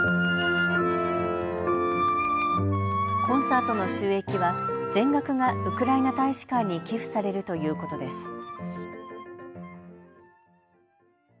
コンサートの収益は全額がウクライナ大使館に寄付されるということです。